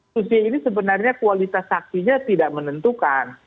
susi ini sebenarnya kualitas saksinya tidak menentukan